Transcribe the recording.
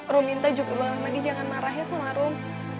rum minta juga bang rahmadi jangan marahnya sama rum